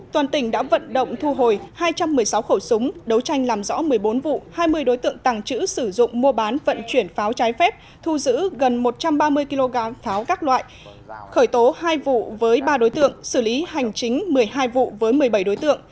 toàn tỉnh đã vận động thu hồi hai trăm một mươi sáu khẩu súng đấu tranh làm rõ một mươi bốn vụ hai mươi đối tượng tàng trữ sử dụng mua bán vận chuyển pháo trái phép thu giữ gần một trăm ba mươi kg pháo các loại khởi tố hai vụ với ba đối tượng xử lý hành chính một mươi hai vụ với một mươi bảy đối tượng